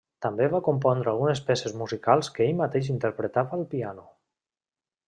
També va compondre algunes peces musicals que ell mateix interpretava al piano.